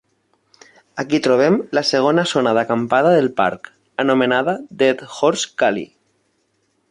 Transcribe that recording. Aquí trobem la segona zona d'acampada del parc, anomenada Dead Horse Gully.